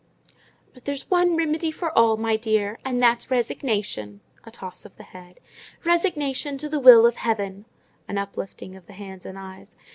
"But there's one remedy for all, my dear, and that's resignation" (a toss of the head), "resignation to the will of heaven!" (an uplifting of the hands and eyes).